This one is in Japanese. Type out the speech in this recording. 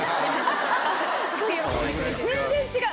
全然違う。